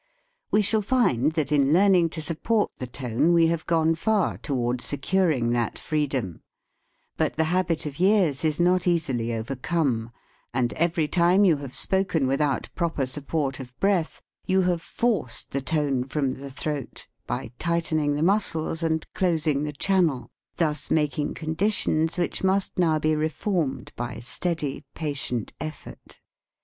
We shall find that in learning to support the tone we have gone far toward securing that freedom; but the habit of years is not easily overcome, and every time you have spoken without proper support of breath you have forced the tone from the throat, by tightening the muscles and closing the channel, thus making condi tions which must now be reformed by steady, patient effort.